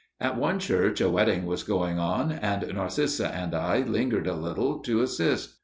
At one church a wedding was going on, and Narcissa and I lingered a little, to assist.